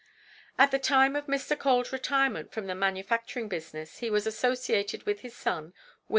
At the time of Mr. Cole's retirement from the manufacturing business he was associated with his son, Wm.